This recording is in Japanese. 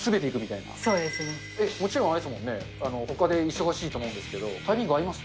もちろんあれですもんね、ほかで忙しいと思うんですけど、タイミング合います？